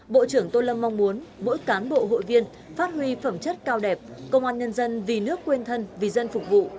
bộ trưởng tô lâm mong muốn mỗi cán bộ hội viên phát huy phẩm chất cao đẹp công an nhân dân vì nước quên thân vì dân phục vụ